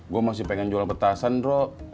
gua masih pengen jual petasan druk